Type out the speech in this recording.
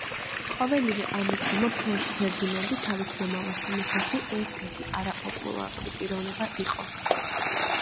ყოველივე ამის გამო ფრანც ფერდინანდი თავის მომავალ სამეფოში ერთ-ერთი არაპოპულარული პიროვნება იყო.